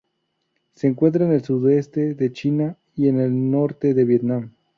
Se encuentra en el sudeste de China y en el norte de Vietnam.